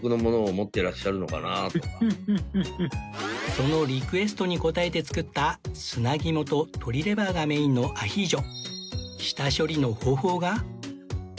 そのリクエストに応えて作った砂肝と鶏レバーがメインのアヒージョ